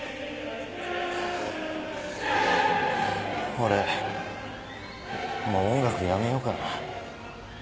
俺もう音楽やめようかな。